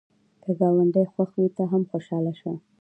که ګاونډی خوښ وي، ته هم خوشحاله شه